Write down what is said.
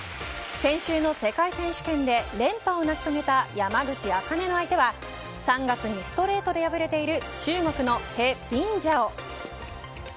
先週の世界選手権で連覇を成し遂げた山口茜の相手は３月にストレートで敗れている中国のヘ・ビンジャオ。